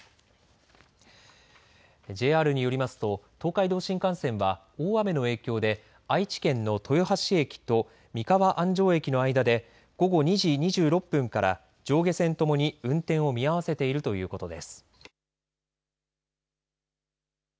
ＪＲによりますと東海道新幹線は大雨の影響で愛知県の豊橋駅と三河安城駅の間で午後２時２６分から上下線ともに運転を見合わせているということです。